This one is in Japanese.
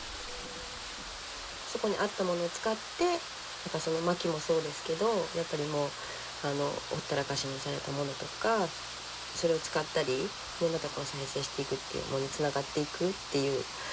そこにあったものを使って薪もそうですけどやっぱりほったらかしにされたものとかそれを使ったりまたこれを再生していくっていうのにつながっていくっていう。